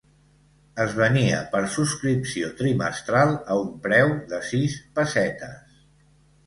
Es venia per subscripció trimestral a un preu de sis pessetes.